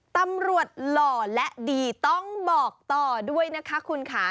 ตำรวจหล่อและดีต้องบอกต่อด้วยนะคะเอิ้นค่ะ